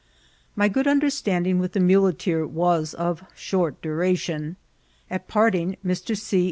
* My good understanding with the muleteer was of short duration. At parting, Mr. C.